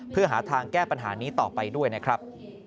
เพื่อหาทางแก้ปัญหานี้ต่อไปด้วยนะครับ